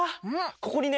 ここにね